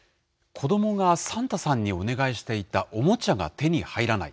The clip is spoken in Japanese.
子どもがサンタさんにお願いしていたおもちゃが手に入らない。